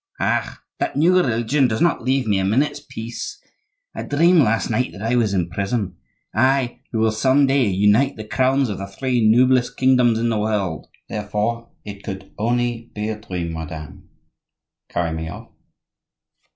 "Ah! that new religion does not leave me a minute's peace! I dreamed last night that I was in prison,—I, who will some day unite the crowns of the three noblest kingdoms in the world!" "Therefore it could only be a dream, madame." "Carry me off!